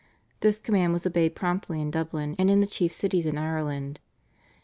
This command was obeyed promptly in Dublin and in the chief cities in Ireland.